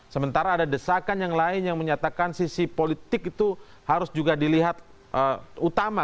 sementara ada desakan yang lain yang menyatakan sisi politik itu harus juga dilihat utama